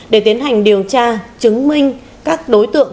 để tiến hành điều tra chứng minh các đối tượng